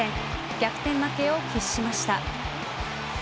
逆転負けを喫しました。